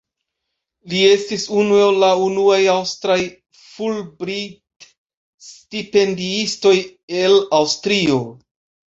Li estis unu el la unuaj aŭstraj Fulbright-stipendiistoj el Aŭstrio.